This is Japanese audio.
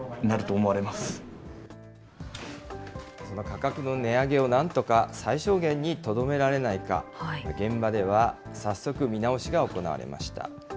その価格の値上げをなんとか最小限にとどめられないか、現場では早速、見直しが行われました。